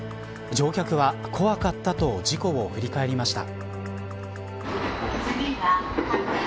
乗客は怖かったと事故を振り返りました。